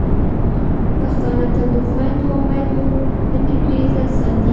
پښتانه تل د خویندو او میندو د ټکري عزت ساتي.